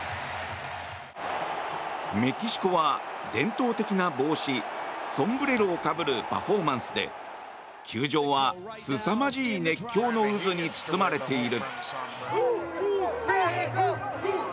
メキシコは伝統的な帽子ソンブレロをかぶるパフォーマンスで球場はすさまじい熱狂の渦に包まれている。